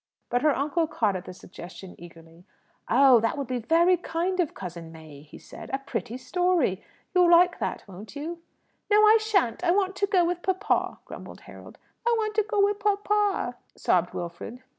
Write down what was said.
But her uncle caught at the suggestion eagerly. "Oh, that would be very kind of Cousin May," he said. "A pretty story! You'll like that, won't you?" "No, I shan't! I want to go with papa," grumbled Harold. "I want to go wis papa," sobbed Wilfred.